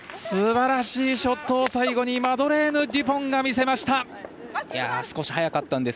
すばらしいショットを最後にマドレーヌ・デュポンが見せました。